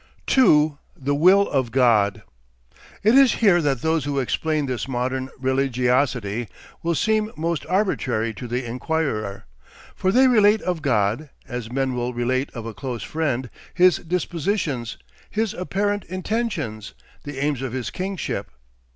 2. THE WILL OF GOD It is here that those who explain this modern religiosity will seem most arbitrary to the inquirer. For they relate of God, as men will relate of a close friend, his dispositions, his apparent intentions, the aims of his kingship.